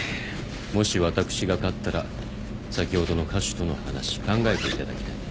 もし私が勝ったら先ほどの歌手との話考えていただきたい。